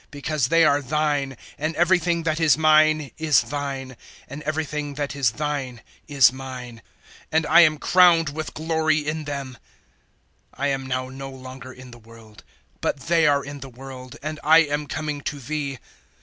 Because they are Thine, 017:010 and everything that is mine is Thine, and everything that is Thine is mine; and I am crowned with glory in them. 017:011 I am now no longer in the world, but they are in the world and I am coming to Thee.